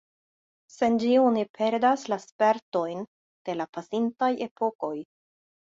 Sen ĝi oni perdas la spertojn de la pasintaj epokoj.